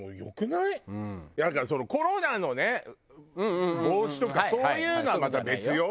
なんかそのコロナのね防止とかそういうのはまた別よ。